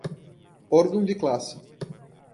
órgão de classe